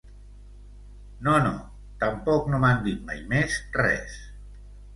No, no, tampoc no m’han dit mai més res.